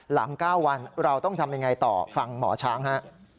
๙วันเราต้องทำยังไงต่อฟังหมอช้างฮะ